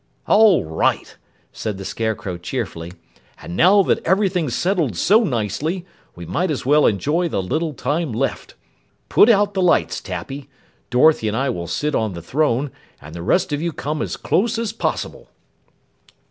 "All right!" said the Scarecrow cheerfully. "And now that everything's settled so nicely, we might as well enjoy the little time left. Put out the lights, Tappy. Dorothy and I will sit on the throne, and the rest of you come as close as possible."